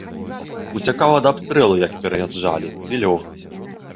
Уцякаў ад абстрэлу, як пераязджалі, і лёг.